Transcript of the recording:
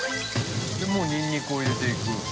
もうニンニクを入れていく。